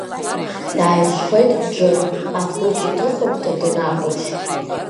Дааирҽхәеит Џыр, ахәыҷ иҭыхымҭа даннахәаԥш.